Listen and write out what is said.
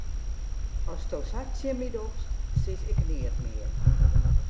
Asto sa tsjin my dochst, sis ik neat mear.